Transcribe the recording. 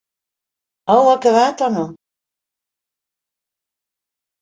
Heu acabat o no?